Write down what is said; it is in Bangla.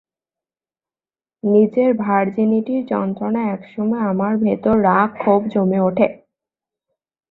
নিজের ভার্জিনিটির যন্ত্রণায় একসময় আমার ভেতর রাগ ক্ষোভ জমে উঠে।